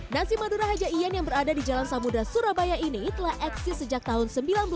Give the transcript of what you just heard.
nasi madura haja iyan yang berada di jalan samudera surabaya ini telah eksis sejak tahun seribu sembilan ratus delapan puluh